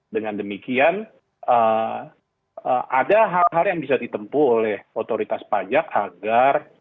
dengan demikian ada hal hal yang bisa ditempuh oleh otoritas pajak agar